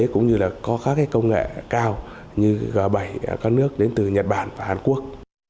cũng như là có các công nghệ cao như g bảy ở các nước đến từ nhật bản và hàn quốc